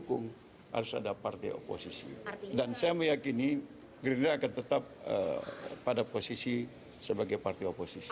dan saya meyakini gerindra akan tetap pada posisi sebagai partai oposisi